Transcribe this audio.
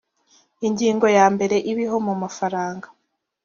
ingingo ya mbere ibiho mu mafaranga